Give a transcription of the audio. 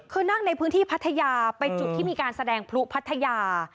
คือนั่งในพื้นที่พัทยาไปจุดที่มีการแสดงพลุพัทยา